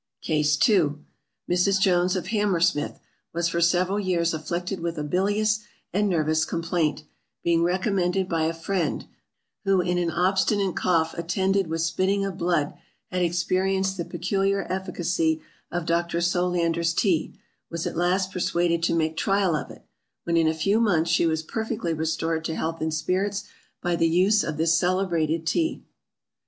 CASE II. Mrs. JONES, of Hammersmith, was for several years afflicted with a bilious and nervous complaint, being recommended by a friend, who (in an obstinate cough attended with spitting of blood) had experienced the peculiar efficacy of Dr. Solander's Tea, was at last persuaded to make trial of it, when in a few months she was perfectly restored to health and spirits, by the use of this celebrated Tea.